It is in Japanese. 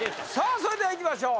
それではいきましょう